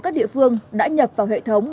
các địa phương đã nhập vào hệ thống